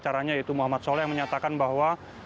pengacara pengacaranya itu muhammad soleh yang menyatakan bahwa